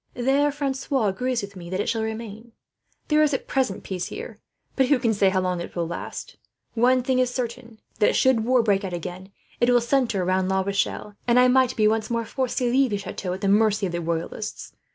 There Francois agrees with me that it should remain. "There is at present peace here, but who can say how long it will last? One thing is certain, that should war break out again, it will centre round La Rochelle; and I might be once more forced to leave the chateau at the mercy of the Royalists.